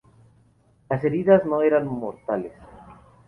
Las heridas no eran mortales.